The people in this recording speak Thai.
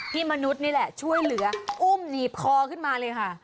มนุษย์นี่แหละช่วยเหลืออุ้มหนีบคอขึ้นมาเลยค่ะ